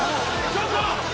ちょっと！